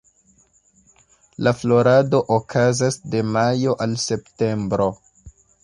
La florado okazas de majo al septembro.